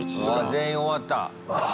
全員終わった！